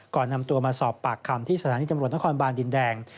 ก่อนนำตัวมาสอบปากคำที่สถานีตำรวจนครบานดินแดง